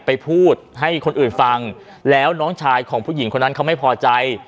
ไปพูดให้คนอื่นฟังแล้วน้องชายของผู้หญิงคนนั้นเขาไม่พอใจ